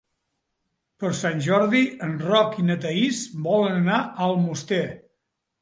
Per Sant Jordi en Roc i na Thaís volen anar a Almoster.